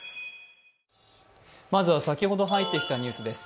まずは先ほど入ってきたニュースです。